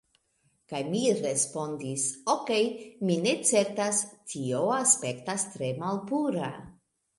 Kaj mi respondis, "Okej mi ne certas... tio aspektas tre malpura..."